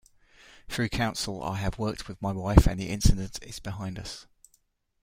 Through counsel I have worked with my wife and the incident is behind us.